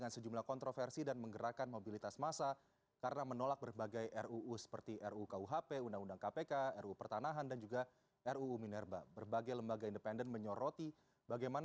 selamat sore mas aldi